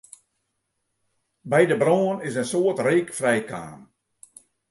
By de brân is in soad reek frijkaam.